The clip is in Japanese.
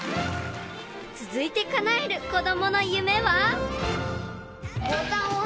［続いてかなえる子供の夢は］